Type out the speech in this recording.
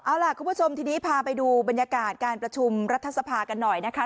เอาล่ะคุณผู้ชมทีนี้พาไปดูบรรยากาศการประชุมรัฐสภากันหน่อยนะคะ